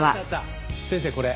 先生これ。